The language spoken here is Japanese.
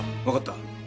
分かった。